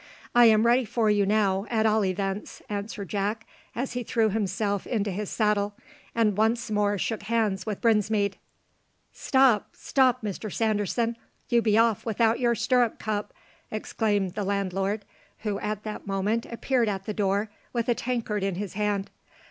"I am ready for you now, at all events," answered Jack, as he threw himself into his saddle, and once more shook hands with Brinsmead. "Stop, stop, Mr Sanderson, you be off without your stirrup cup!" exclaimed the landlord, who at that moment appeared at the door with a tankard in his hand.